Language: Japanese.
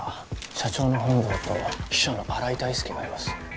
社長の本藤と秘書の新井大輔がいます。